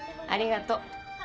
ありがと。